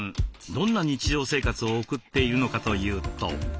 どんな日常生活を送っているのかというと。